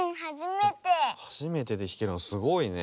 はじめてでひけるのすごいね。